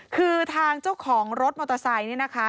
คือทางเจ้าของรถมอเตอร์ไซค์นี่นะคะ